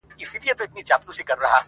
• دا سرکښه دا مغروره -